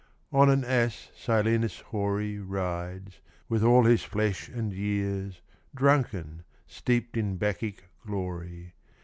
On an ass Silenus hoary Rides, with all his flesh and years, Drunken, steeped in Bacchic glory.